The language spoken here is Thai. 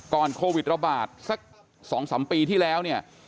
ก่อนโควิดระบาดสัก๒๓ปีที่แล้ว